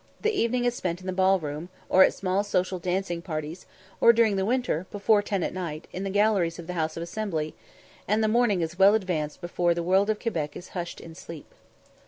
The evening is spent in the ball room, or at small social dancing parties, or during the winter, before ten at night, in the galleries of the House of Assembly; and the morning is well advanced before the world of Quebec is hushed in sleep.